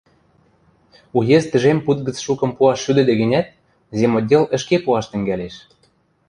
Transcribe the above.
«Уезд тӹжем пуд гӹц шукым пуаш шӱдӹде гӹнят, земотдел ӹшке пуаш тӹнгӓлеш».